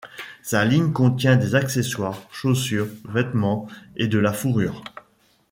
Sa ligne contient des accessoires, chaussures, vêtements et de la fourrure.